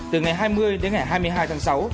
từ ngày hai mươi đến ngày hai mươi hai tháng sáu